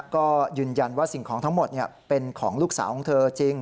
ก็ยืนยันว่าสิ่งของทั้งหมดเป็นของลูกสาวของเธอจริง